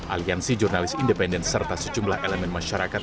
aliansi jurnalis independen serta sejumlah elemen masyarakat